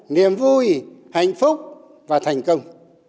niềm vui hạnh phúc và thành công